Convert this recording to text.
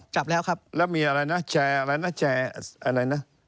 จับแล้วแล้วมีอะไรนะแชร์อะไรนะ